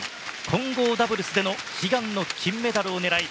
混合ダブルスでの悲願の金メダルを狙い